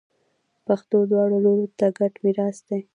پښتو دواړو لورو ته ګډ میراث دی.